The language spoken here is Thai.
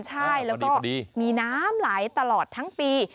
ใช่แล้วก็มีน้ำไหลตลอดทั้งปี